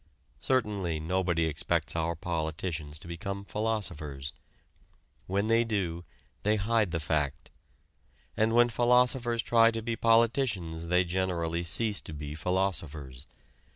Certainly nobody expects our politicians to become philosophers. When they do they hide the fact. And when philosophers try to be politicians they generally cease to be philosophers.